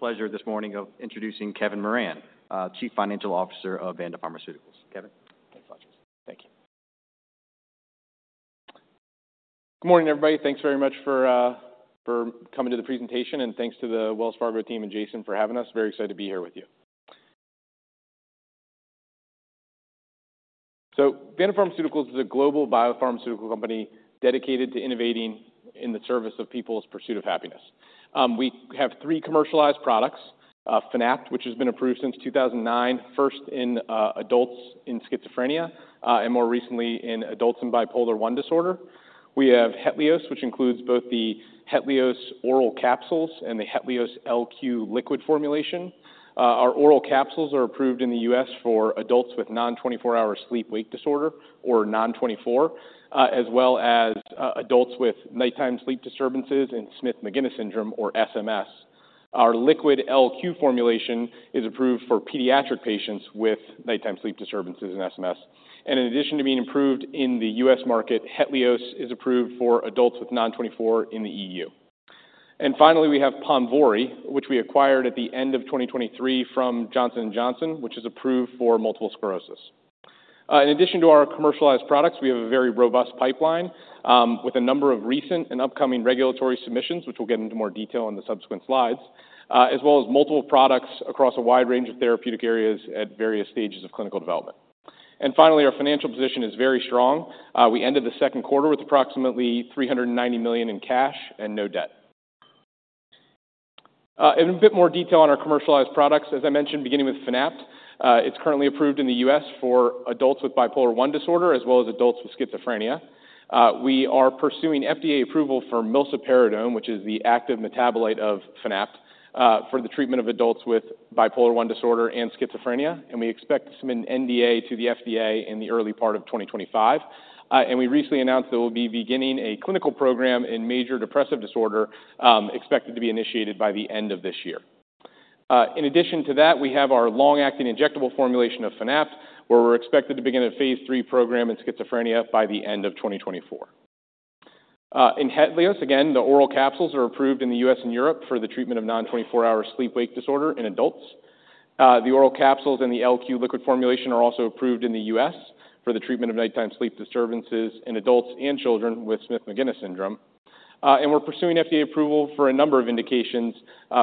Pleasure this morning of introducing Kevin Moran, Chief Financial Officer of Vanda Pharmaceuticals. Kevin. Thanks a lot. Thank you. Good morning, everybody. Thanks very much for coming to the presentation, and thanks to the Wells Fargo team and Jason for having us. Very excited to be here with you. Vanda Pharmaceuticals is a global biopharmaceutical company dedicated to innovating in the service of people's pursuit of happiness. We have three commercialized products, Fanapt, which has been approved since 2009, first in adults in schizophrenia, and more recently in adults in bipolar I disorder. We have Hetlios, which includes both the Hetlios oral capsules and the Hetlios LQ liquid formulation. Our oral capsules are approved in the US for adults with non-24-hour sleep-wake disorder, or non-24, as well as adults with nighttime sleep disturbances and Smith-Magenis syndrome, or SMS. Our liquid LQ formulation is approved for pediatric patients with nighttime sleep disturbances and SMS. In addition to being approved in the US market, Hetlios is approved for adults with non-24 in the EU. Finally, we have Ponvory, which we acquired at the end of 2023 from Johnson & Johnson, which is approved for multiple sclerosis. In addition to our commercialized products, we have a very robust pipeline, with a number of recent and upcoming regulatory submissions, which we'll get into more detail in the subsequent slides, as well as multiple products across a wide range of therapeutic areas at various stages of clinical development. Finally, our financial position is very strong. We ended the second quarter with approximately $390 million in cash and no debt. In a bit more detail on our commercialized products, as I mentioned, beginning with Fanapt, it's currently approved in the US for adults with bipolar I disorder as well as adults with schizophrenia. We are pursuing FDA approval for milsoperidone, which is the active metabolite of Fanapt, for the treatment of adults with bipolar I disorder and schizophrenia, and we expect to submit an NDA to the FDA in the early part of 2025. We recently announced that we'll be beginning a clinical program in major depressive disorder, expected to be initiated by the end of this year. In addition to that, we have our long-acting injectable formulation of Fanapt, where we're expected to begin a phase three program in schizophrenia by the end of 2024. In Hetlios, again, the oral capsules are approved in the US and Europe for the treatment of non-24-hour sleep-wake disorder in adults. The oral capsules and the LQ liquid formulation are also approved in the US for the treatment of nighttime sleep disturbances in adults and children with Smith-Magenis syndrome. We're pursuing FDA approval for a number of indications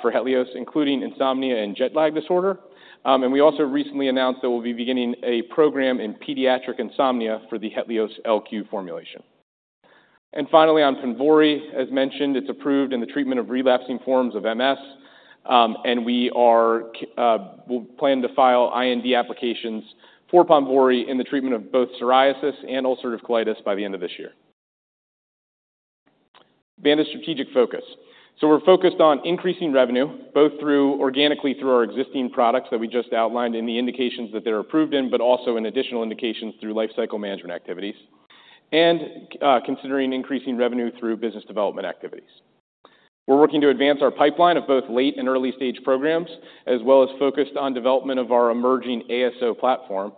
for Hetlios, including insomnia and jet lag disorder. We also recently announced that we'll be beginning a program in pediatric insomnia for the Hetlios LQ formulation. Finally, on Ponvory, as mentioned, it's approved in the treatment of relapsing forms of MS, and we plan to file IND applications for Ponvory in the treatment of both psoriasis and ulcerative colitis by the end of this year. Vanda's strategic focus is on increasing revenue, both organically through our existing products that we just outlined in the indications that they're approved in, but also in additional indications through life cycle management activities, and considering increasing revenue through business development activities. We're working to advance our pipeline of both late and early stage programs, as well as focused on development of our emerging ASO platform.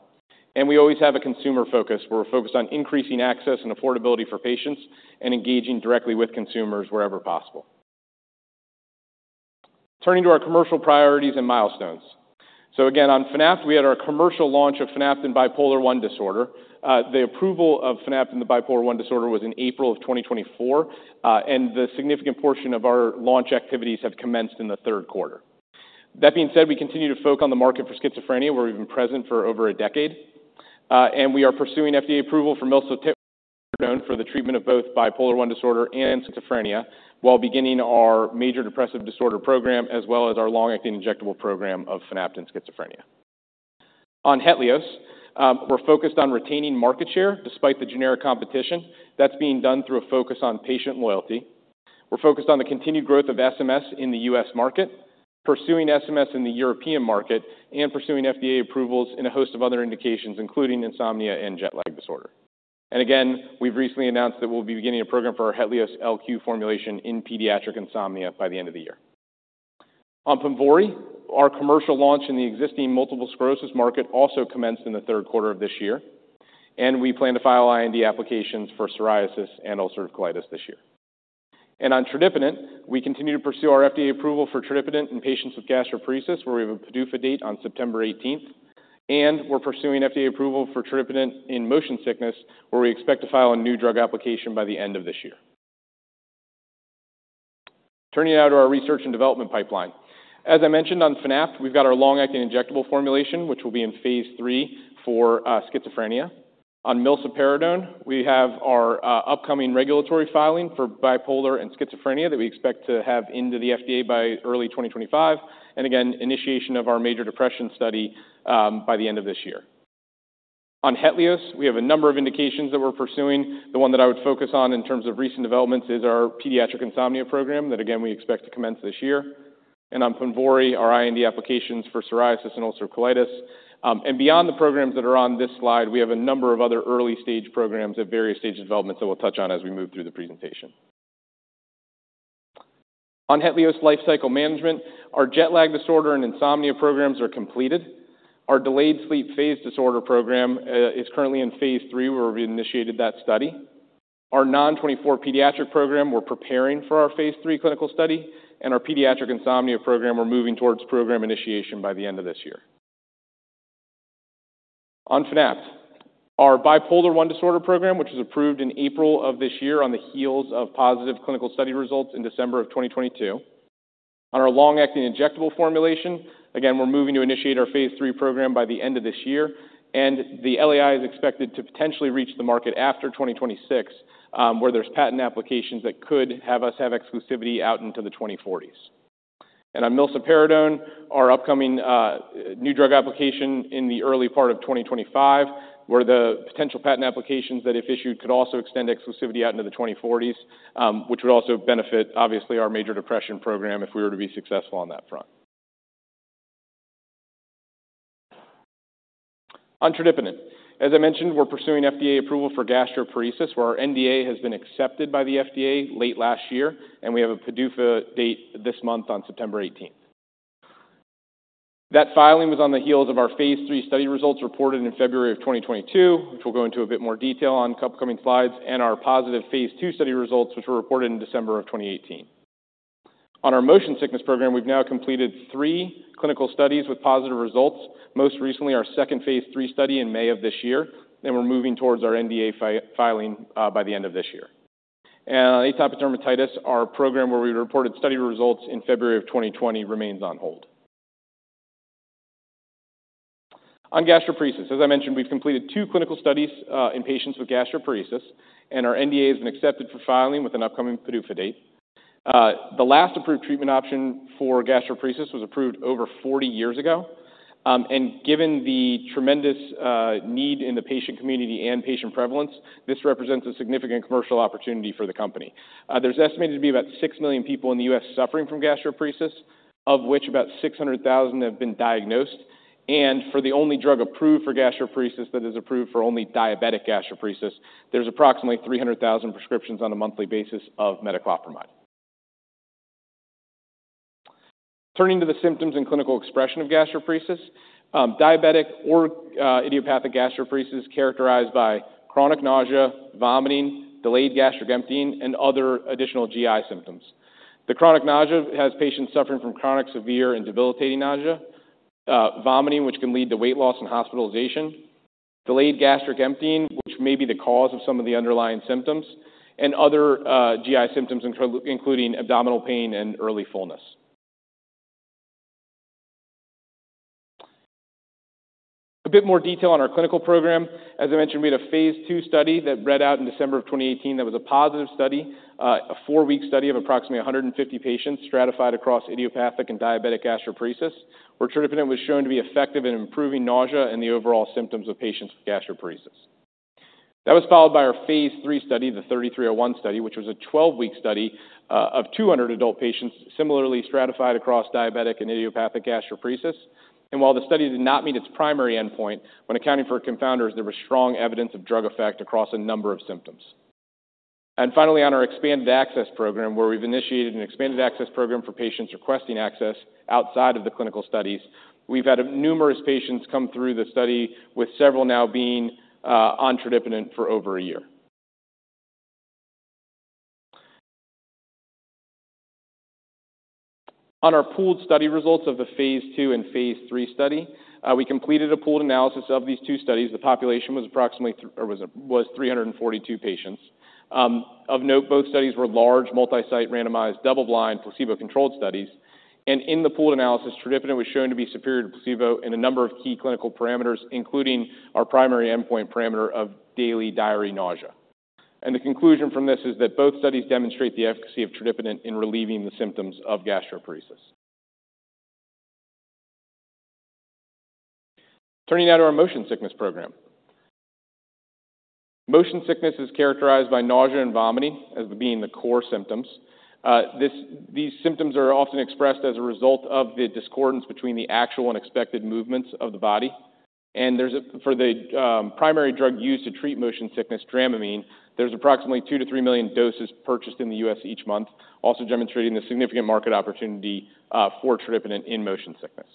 We always have a consumer focus. We're focused on increasing access and affordability for patients and engaging directly with consumers wherever possible. Turning to our commercial priorities and milestones. On Fanapt, we had our commercial launch of Fanapt in bipolar I disorder. The approval of Fanapt in bipolar I disorder was in April of 2024, and a significant portion of our launch activities have commenced in the third quarter. That being said, we continue to focus on the market for schizophrenia, where we've been present for over a decade. We are pursuing FDA approval for milsoperidone for the treatment of both bipolar I disorder and schizophrenia while beginning our major depressive disorder program, as well as our long-acting injectable program of Fanapt in schizophrenia. On Hetlios, we're focused on retaining market share despite the generic competition. That's being done through a focus on patient loyalty. We're focused on the continued growth of SMS in the US market, pursuing SMS in the European market, and pursuing FDA approvals in a host of other indications, including insomnia and jet lag disorder. We've recently announced that we'll be beginning a program for our Hetlios LQ formulation in pediatric insomnia by the end of the year. On Ponvory, our commercial launch in the existing multiple sclerosis market also commenced in the third quarter of this year, and we plan to file IND applications for psoriasis and ulcerative colitis this year. On tradipitant, we continue to pursue our FDA approval for tradipitant in patients with gastroparesis, where we have a PDUFA date on September 18th, and we're pursuing FDA approval for tradipitant in motion sickness, where we expect to file a new drug application by the end of this year. Turning now to our research and development pipeline. As I mentioned, on Fanapt, we've got our long-acting injectable formulation, which will be in phase three for schizophrenia. On milsoperidone, we have our upcoming regulatory filing for bipolar and schizophrenia that we expect to have into the FDA by early 2025, and again, initiation of our major depression study by the end of this year. On Hetlios, we have a number of indications that we're pursuing. The one that I would focus on in terms of recent developments is our pediatric insomnia program that, again, we expect to commence this year. On Ponvory, our IND applications for psoriasis and ulcerative colitis. Beyond the programs that are on this slide, we have a number of other early stage programs at various stages of development that we'll touch on as we move through the presentation. On Hetlios life cycle management, our jet lag disorder and insomnia programs are completed. Our delayed sleep phase disorder program is currently in phase three, where we initiated that study. Our non-24 pediatric program, we're preparing for our phase three clinical study, and our pediatric insomnia program, we're moving towards program initiation by the end of this year. On Fanapt, our bipolar I disorder program, which was approved in April of this year on the heels of positive clinical study results in December of 2022. On our long-acting injectable formulation, again, we're moving to initiate our phase three program by the end of this year, and the LAI is expected to potentially reach the market after 2026, where there's patent applications that could have us have exclusivity out into the 2040s. On milsoperidone, our upcoming new drug application in the early part of 2025, where the potential patent applications that if issued could also extend exclusivity out into the 2040s, which would also benefit, obviously, our major depression program if we were to be successful on that front. On tradipitant, as I mentioned, we're pursuing FDA approval for gastroparesis, where our NDA has been accepted by the FDA late last year, and we have a PDUFA date this month on September 18. That filing was on the heels of our phase three study results reported in February of 2022, which we'll go into a bit more detail on upcoming slides, and our positive phase two study results, which were reported in December of 2018. On our motion sickness program, we've now completed three clinical studies with positive results, most recently our second phase three study in May of this year, and we're moving towards our NDA filing by the end of this year. On atopic dermatitis, our program where we reported study results in February of 2020 remains on hold. On gastroparesis, as I mentioned, we've completed two clinical studies in patients with gastroparesis, and our NDA has been accepted for filing with an upcoming PDUFA date. The last approved treatment option for gastroparesis was approved over 40 years ago, and given the tremendous need in the patient community and patient prevalence, this represents a significant commercial opportunity for the company. There's estimated to be about 6 million people in the US suffering from gastroparesis, of which about 600,000 have been diagnosed, and for the only drug approved for gastroparesis that is approved for only diabetic gastroparesis, there's approximately 300,000 prescriptions on a monthly basis of metoclopramide. Turning to the symptoms and clinical expression of gastroparesis, diabetic or idiopathic gastroparesis is characterized by chronic nausea, vomiting, delayed gastric emptying, and other additional GI symptoms. The chronic nausea has patients suffering from chronic severe and debilitating nausea, vomiting, which can lead to weight loss and hospitalization, delayed gastric emptying, which may be the cause of some of the underlying symptoms, and other GI symptoms, including abdominal pain and early fullness. A bit more detail on our clinical program. As I mentioned, we had a phase two study that read out in December of 2018 that was a positive study, a four-week study of approximately 150 patients stratified across idiopathic and diabetic gastroparesis, where tradipitant was shown to be effective in improving nausea and the overall symptoms of patients with gastroparesis. That was followed by our phase three study, the 3301 study, which was a 12-week study, of 200 adult patients similarly stratified across diabetic and idiopathic gastroparesis. While the study did not meet its primary endpoint, when accounting for confounders, there was strong evidence of drug effect across a number of symptoms. Finally, on our expanded access program, where we've initiated an expanded access program for patients requesting access outside of the clinical studies, we've had numerous patients come through the study, with several now being on tradipitant for over a year. On our pooled study results of the phase two and phase three study, we completed a pooled analysis of these two studies. The population was approximately three or was 342 patients. Of note, both studies were large, multi-site, randomized, double-blind, placebo-controlled studies. In the pooled analysis, tradipitant was shown to be superior to placebo in a number of key clinical parameters, including our primary endpoint parameter of daily diary nausea. The conclusion from this is that both studies demonstrate the efficacy of tradipitant in relieving the symptoms of gastroparesis. Turning now to our motion sickness program. Motion sickness is characterized by nausea and vomiting as being the core symptoms. These symptoms are often expressed as a result of the discordance between the actual and expected movements of the body. For the primary drug used to treat motion sickness, Dramamine, there are approximately 2 million-3 million doses purchased in the US each month, also demonstrating a significant market opportunity for tradipitant in motion sickness.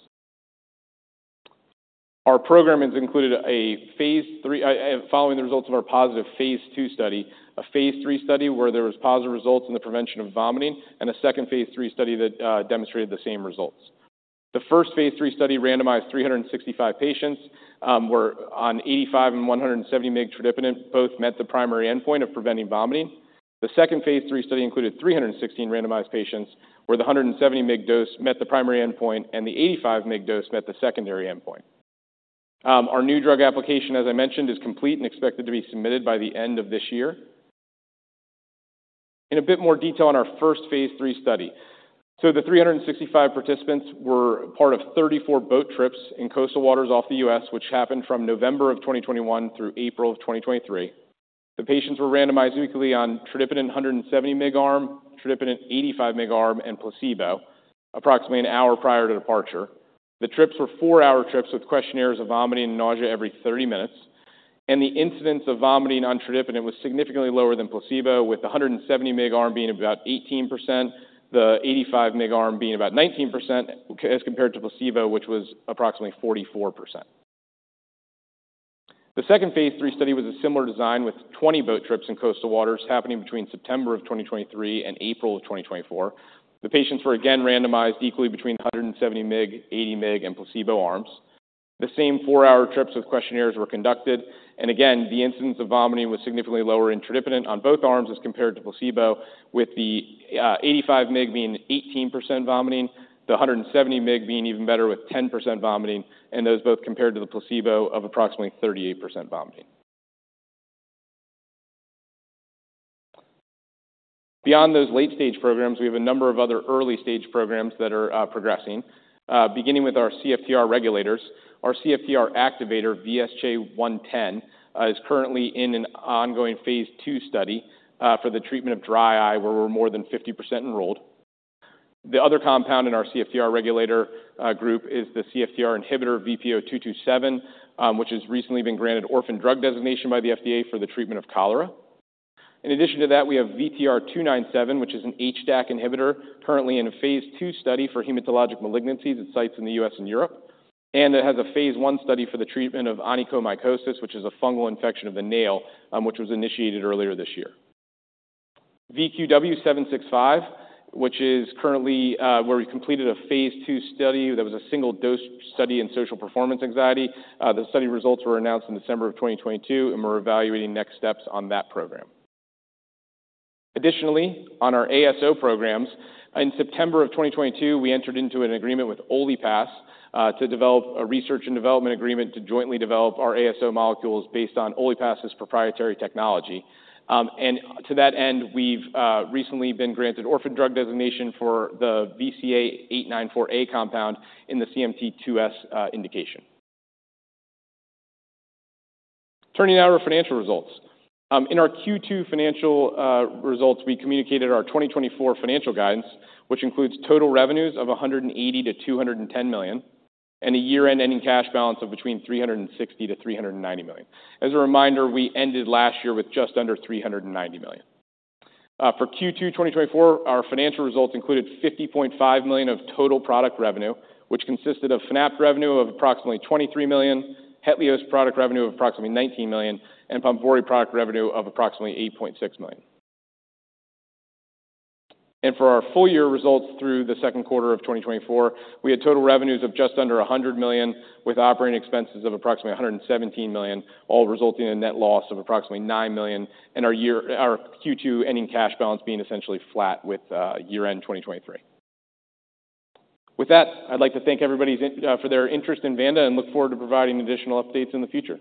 Our program has included a phase three, following the results of our positive phase two study, a phase three study where there were positive results in the prevention of vomiting, and a second phase three study that demonstrated the same results. The first phase three study randomized 365 patients, were on 85 mg and 170 mg tradipitant, both met the primary endpoint of preventing vomiting. The second phase three study included 316 randomized patients where the 170 mg dose met the primary endpoint and the 85 mg dose met the secondary endpoint. Our new drug application, as I mentioned, is complete and expected to be submitted by the end of this year. In a bit more detail on our first phase three study. The 365 participants were part of 34 boat trips in coastal waters off the US, which happened from November of 2021 through April of 2023. The patients were randomized weekly on tradipitant 170 mg arm, tradipitant 85 mg arm, and placebo, approximately an hour prior to departure. The trips were four-hour trips with questionnaires of vomiting and nausea every 30 minutes, and the incidence of vomiting on tradipitant was significantly lower than placebo, with the 170 mg arm being about 18%, the 85 mg arm being about 19% as compared to placebo, which was approximately 44%. The second phase three study was a similar design with 20 boat trips in coastal waters happening between September of 2023 and April of 2024. The patients were again randomized equally between 170 mg, 85 mg, and placebo arms. The same four-hour trips with questionnaires were conducted, and again, the incidence of vomiting was significantly lower in tradipitant on both arms as compared to placebo, with the 85 mg being 18% vomiting, the 170 mg being even better with 10% vomiting, and those both compared to the placebo of approximately 38% vomiting. Beyond those late stage programs, we have a number of other early stage programs that are progressing, beginning with our CFTR regulators. Our CFTR activator, VSJ110, is currently in an ongoing phase two study for the treatment of dry eye, where we're more than 50% enrolled. The other compound in our CFTR regulator group is the CFTR inhibitor VPO227, which has recently been granted orphan drug designation by the FDA for the treatment of cholera. In addition to that, we have VTR297, which is an HDAC inhibitor currently in a phase two study for hematologic malignancies at sites in the U.S. and Europe, and it has a phase one study for the treatment of onychomycosis, which is a fungal infection of the nail, which was initiated earlier this year. VQW765, which is currently, where we completed a phase two study that was a single dose study in social performance anxiety. The study results were announced in December of 2022, and we're evaluating next steps on that program. Additionally, on our ASO programs, in September of 2022, we entered into an agreement with OliPass, to develop a research and development agreement to jointly develop our ASO molecules based on OliPass's proprietary technology. To that end, we've recently been granted orphan drug designation for the VCA894A compound in the CMT2S indication. Turning now to our financial results. In our Q2 financial results, we communicated our 2024 financial guidance, which includes total revenues of $180 million-$210 million and a year-end ending cash balance of between $360 million and $390 million. As a reminder, we ended last year with just under $390 million. For Q2 2024, our financial results included $50.5 million of total product revenue, which consisted of Fanapt revenue of approximately $23 million, Hetlios product revenue of approximately $19 million, and Ponvory product revenue of approximately $8.6 million. For our full-year results through the second quarter of 2024, we had total revenues of just under $100 million, with operating expenses of approximately $117 million, all resulting in a net loss of approximately $9 million, and our Q2 ending cash balance being essentially flat with year-end 2023. With that, I'd like to thank everybody for their interest in Vanda and look forward to providing additional updates in the future.